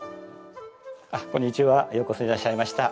こんにちはようこそいらっしゃいました。